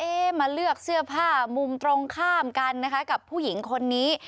มาเลือกเสื้อผ้ามุมตรงข้ามกันนะคะกับผู้หญิงคนนี้